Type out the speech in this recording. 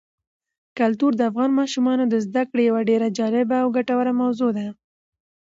کلتور د افغان ماشومانو د زده کړې یوه ډېره جالبه او ګټوره موضوع ده.